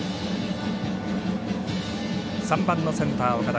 ３番のセンター、岡田。